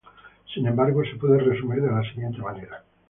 Sin embargo, puede ser resumido de la siguiente manera.